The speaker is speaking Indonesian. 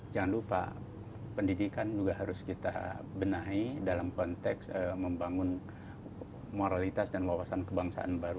jangan lupa pendidikan juga harus kita benahi dalam konteks membangun moralitas dan wawasan kebangsaan baru